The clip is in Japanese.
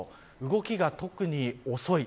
動きが特に遅い。